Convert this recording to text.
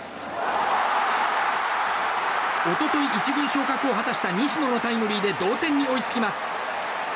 一昨日１軍昇格を果たした西野のタイムリーで同点に追いつきます。